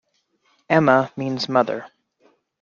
"Amma" means mother.